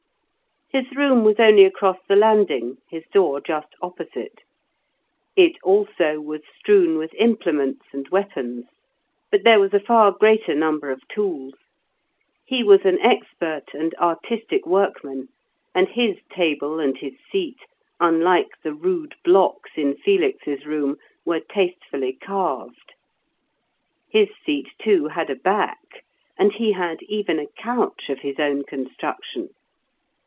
His room was only across the landing, his door just opposite. It also was strewn with implements and weapons. But there was a far greater number of tools; he was an expert and artistic workman, and his table and his seat, unlike the rude blocks in Felix's room, were tastefully carved. His seat, too, had a back, and he had even a couch of his own construction.